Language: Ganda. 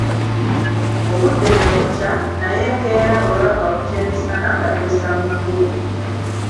Obudde ne bukya, naye enkeera olwava ku kyemisana, nga twessa mu kkubo.